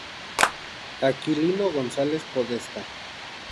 Aquilino González Podestá.